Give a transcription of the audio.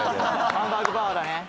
ハンバーグパワーだね。